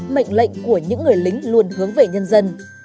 mệnh lệnh của những người lính luôn hướng về nhân dân